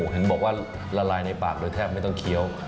เห็นบอกว่าละลายในปากโดยแทบไม่ต้องเคี้ยว